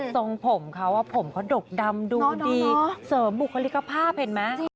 ทรงผมเขาผมเขาดกดำดูดีเสริมบุคลิกภาพเห็นไหม